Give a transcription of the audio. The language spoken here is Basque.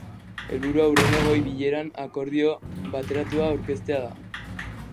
Helburua hurrengo goi-bileran akordio bateratua aurkeztea da.